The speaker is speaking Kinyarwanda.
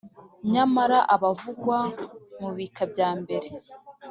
Nyamara abavugwa mu bika bya mbere